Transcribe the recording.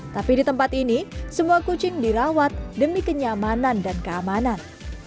tapi di tempat ini semua kucing dirawat demi kenyamanan dan keamanan